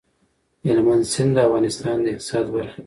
هلمند سیند د افغانستان د اقتصاد برخه ده.